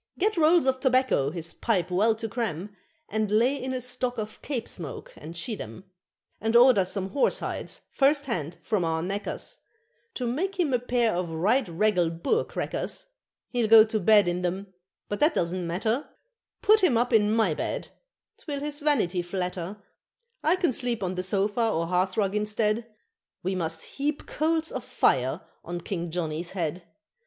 Get rolls of tobacco his pipe well to cram, And lay in a stock of Cape smoke and schiedam, And order some horse hides, first hand, from our knacker's, To make him a pair of right regal Boer crackers He'll go to bed in them, but that doesn't matter; Put him up in my bed, 'twill his vanity flatter, I can sleep on the sofa or hearthrug instead We must heap coals of fire on King Johnny's head.